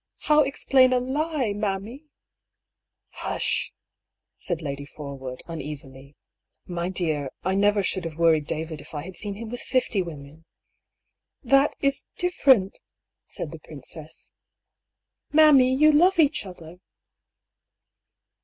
" How explain a lie^ mammy ?"" Hush !" said Lady Forwood, uneasily. " My dear, I never should have worried David if I had seen him with fifty women !"" That — is different !" said the princess. " Mammy, you love each other